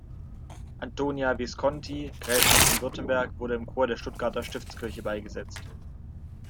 Antonia Visconti, Gräfin von Württemberg, wurde im Chor der Stuttgarter Stiftskirche beigesetzt.